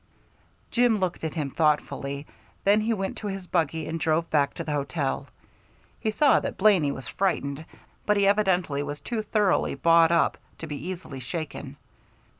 Jim looked at him thoughtfully; then he went to his buggy and drove back to the hotel. He saw that Blaney was frightened, but he evidently was too thoroughly bought up to be easily shaken.